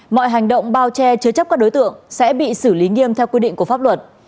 mọi hành động bao che chứa chấp các đối tượng sẽ bị xử lý nghiêm theo quy định của pháp luật